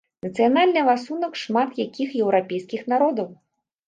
Нацыянальны ласунак шмат якіх еўрапейскіх народаў.